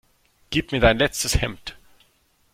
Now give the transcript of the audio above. Gib mir dein letztes Hemd!